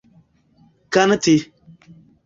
kanti